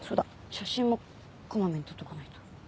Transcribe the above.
写真もこまめに撮っておかないと。